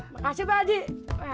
makasih pak jik